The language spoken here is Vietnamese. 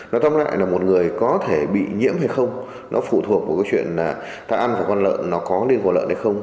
nó tóm lại là một người có thể bị nhiễm hay không nó phụ thuộc vào cái chuyện là ta ăn vào con lợn nó có nên có lợn hay không